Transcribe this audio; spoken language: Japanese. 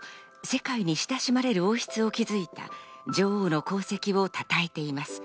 世界に親しまれる王室を築いた女王の功績をたたえています。